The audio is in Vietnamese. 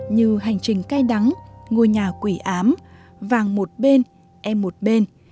như hành trình cay đắng ngôi nhà quỷ ám vàng một bên em một bên